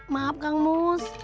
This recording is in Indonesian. maaf kang mus